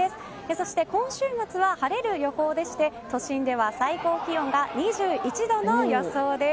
そして今週末は晴れる予報でして都心では最高気温が２１度の予想です。